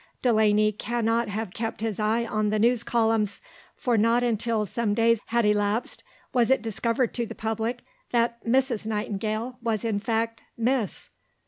Delane cannot have kept his eye on the news columns, for not until some days had elapsed was it discovered to the public that "Mrs." Nightingale was in fact "Miss."